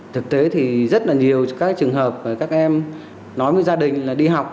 thực tế thì rất là nhiều các trường hợp các em nói với gia đình là đi học